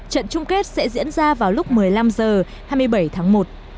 trận chung kết sẽ diễn ra vào lúc một mươi năm h hai mươi bảy tháng một